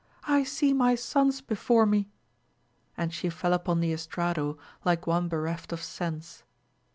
I see my sons before me ! And she fell upon the estrado like one bereft of sense.